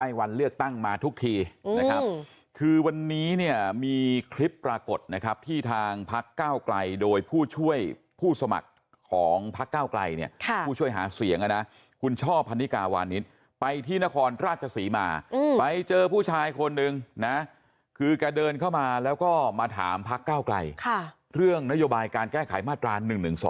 วันเลือกตั้งมาทุกทีนะครับคือวันนี้เนี่ยมีคลิปปรากฏนะครับที่ทางพักเก้าไกลโดยผู้ช่วยผู้สมัครของพักเก้าไกลเนี่ยผู้ช่วยหาเสียงนะคุณช่อพันนิกาวานิสไปที่นครราชศรีมาไปเจอผู้ชายคนนึงนะคือแกเดินเข้ามาแล้วก็มาถามพักเก้าไกลเรื่องนโยบายการแก้ไขมาตรา๑๑๒